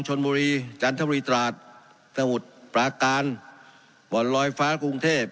ชนบุรีจันทรรมรีตราชนมุทรปลากรานปรรณรยฟ้ากรุงเทศ